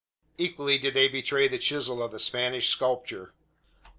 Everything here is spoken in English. Equally did they betray the chisel of the Spanish sculptor.